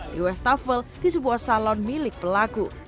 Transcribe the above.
di westafel di sebuah salon milik pelaku